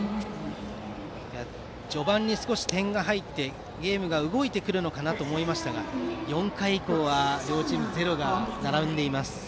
序盤に少し点が入ってゲームが動いてくるのかなと思いましたが４回以降は両チームゼロが並んでいます。